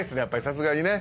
さすがにね。